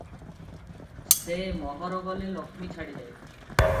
ସେ ମୋହର ଗଲେ ଲକ୍ଷ୍ମୀ ଛାଡ଼ିଯାଏ ।